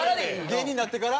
芸人になってから？